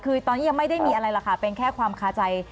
คือตอนนี้ยังไม่ได้มีอะไรหรอกค่ะเป็นแค่ความคาใจ